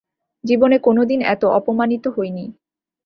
জীবনে কোনোদিন এত অপমানিত হইনি।